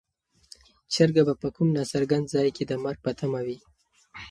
چرګه به په کوم ناڅرګند ځای کې د مرګ په تمه وي.